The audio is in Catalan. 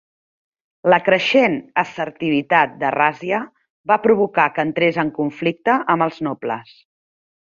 La creixent assertivitat de Razia va provocar que entrés en conflicte amb els nobles.